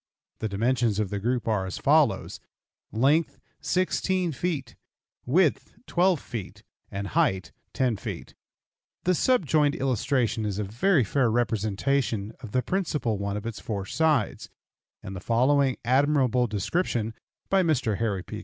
The dimensions of the group are as follows: Length, 16 feet; width, 12 feet, and height, 10 feet. The subjoined illustration is a very fair representation of the principal one of its four sides, and the following admirable description (by Mr. Harry P.